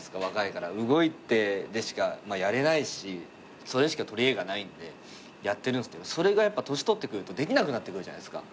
動いてでしかやれないしそれしか取りえがないんでやってるんすけどそれが年取ってくるとできなくなってくるじゃないっすか。